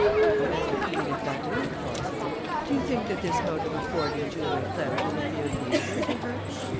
"And even if that were possible, do you think that this mode of affording Julia pleasure would be agreeable to her?